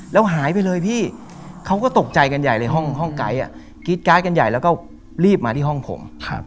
แล้วหายไปเลยพี่เขาก็ตกใจกันใหญ่เลยห้องไกด์กรี๊ดการ์ดกันใหญ่แล้วก็รีบมาที่ห้องผม